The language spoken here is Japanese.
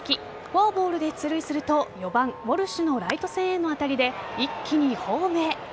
フォアボールで出塁すると４番・ウォルシュのライト線への当たりで一気にホームへ。